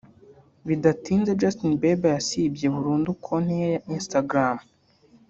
Bidatinze Justin Bieber yasibye burundu konti ye ya Instagram